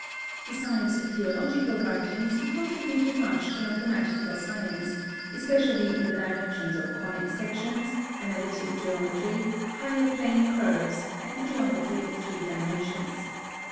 Besides theological writings, he contributed much to mathematical science, especially in the directions of conic sections, analytic geometry, higher plane curves, and the geometry of three dimensions.